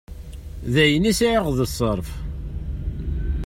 D ayen i sεiɣ d ṣṣerf.